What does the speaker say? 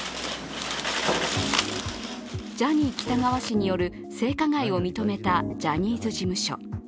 ジャニー喜多川氏による性加害を認めたジャニーズ事務所。